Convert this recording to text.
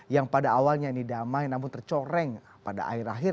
yang pada awalnya ini damai namun tercoreng pada akhir akhir